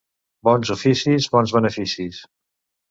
Bons oficis, bons beneficis.